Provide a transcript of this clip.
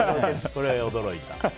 それに驚いた。